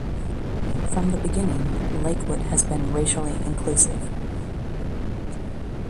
From the beginning, Lakewood has been racially inclusive.